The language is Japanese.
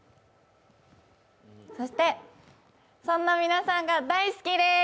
そして、そんな皆さんが大好きでーす。